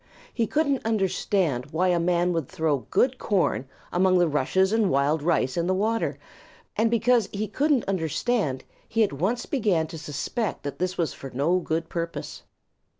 He couldn't understand why a man should throw good corn among the rushes and wild rice in the water, and because he couldn't understand, he at once began to suspect that it was for no good purpose.